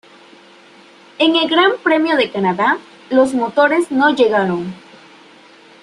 En el Gran Premio de Canadá los motores no llegaron.